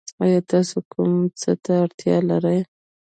ایا تاسو کوم څه ته اړتیا لرئ؟